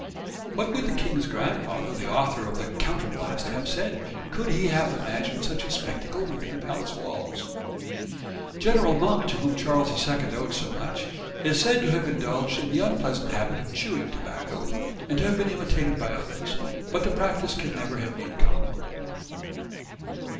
What would the king's grandfather, the author of the "Counterblaste," have said, could he have imagined such a spectacle within the palace walls? General Monk, to whom Charles II owed so much, is said to have indulged in the unpleasant habit of chewing tobacco, and to have been imitated by others; but the practice can never have been common.